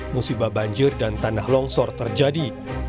musibah banjir dan tanah longsor terjadi